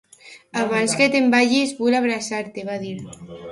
"Abans que te'n vagis, vull abraçar-te", va dir.